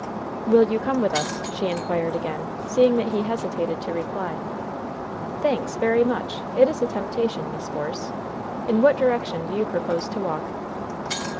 "Will you come with us?" she inquired again, seeing that he hesitated to reply. "Thanks, very much! It is a temptation. Miss Force. In what direction do you propose to walk?"